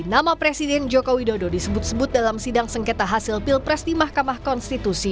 nama presiden joko widodo disebut sebut dalam sidang sengketa hasil pilpres di mahkamah konstitusi